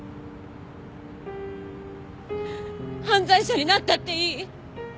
犯罪者になったっていい！